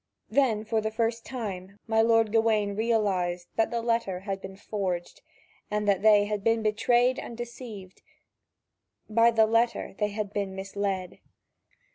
Then for the first time my lord Gawain realised that the letter had been forged, and that they had been betrayed and deceived: by the letter they had been misled.